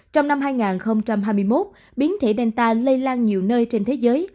trong năm hai nghìn hai mươi một biến thể danta lây lan nhiều nơi trên thế giới